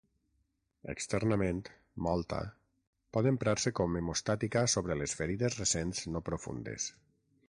Externament, mòlta, pot emprar-se com hemostàtica sobre les ferides recents no profundes.